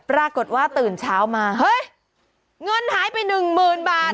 ปรากฏว่าตื่นเช้ามาเฮ้ยเงินหายไป๑๐๐๐๐บาท